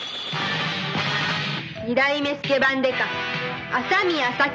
二代目スケバン刑事麻宮サキ！